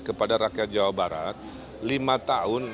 kepada rakyat jawa barat lima tahun